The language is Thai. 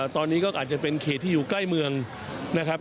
ตอนนี้ก็อาจจะเป็นเขตที่อยู่ใกล้เมืองนะครับ